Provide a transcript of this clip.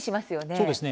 そうですね。